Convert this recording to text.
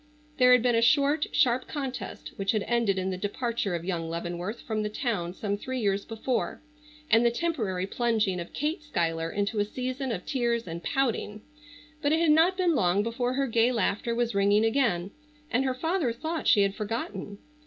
There had been a short, sharp contest which had ended in the departure of young Leavenworth from the town some three years before, and the temporary plunging of Kate Schuyler into a season of tears and pouting. But it had not been long before her gay laughter was ringing again, and her father thought she had forgotten.